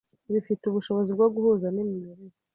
bifite ubushobozi bwo guhuza n’imimerere